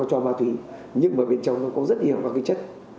có cho ma túy nhưng mà bên trong nó có rất nhiều chất